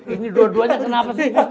ini dua duanya kenapa sih